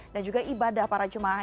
dan juga ibadah para jum'ah